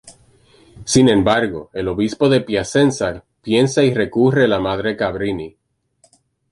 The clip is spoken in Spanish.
Sin embargo, el obispo de Piacenza piensa y recurre la Madre Cabrini.